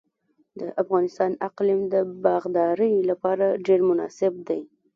د افغانستان اقلیم د باغدارۍ لپاره ډیر مناسب دی.